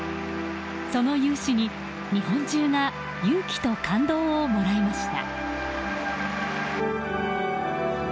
その雄姿に日本中が勇気と感動をもらいました。